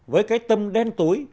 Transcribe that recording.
với cái tâm đen tối